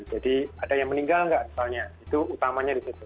jadi ada yang meninggal nggak misalnya itu utamanya disitu